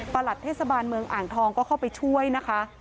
หลัดเทศบาลเมืองอ่างทองก็เข้าไปช่วยนะคะ